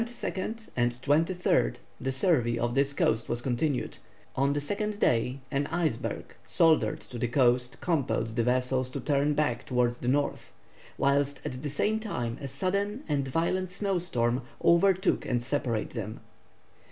On the 22nd and 23rd the survey of this coast was continued; but on the second day an iceberg soldered to the coast compelled the vessels to turn back towards the north, whilst at the same time a sudden and violent snow storm overtook and separated them.